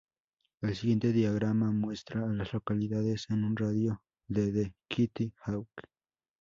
El siguiente diagrama muestra a las localidades en un radio de de Kitty Hawk.